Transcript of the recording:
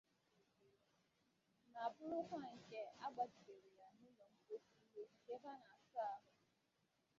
ma bụrụkwa nke a gbapegidere ya na ụlọ mposi na ogige ebe a na-asa ahụ.